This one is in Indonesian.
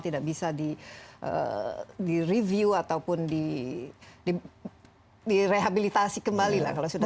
tidak bisa di review ataupun direhabilitasi kembali